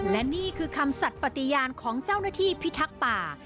และนี่คือคำสัตว์ปฏิญาณของเจ้าหน้าที่พิทักษ์ป่า